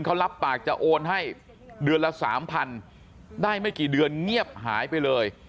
เขารับปากจะโอนให้เดือนละ๓๐๐ได้ไม่กี่เดือนเงียบหายไปเลย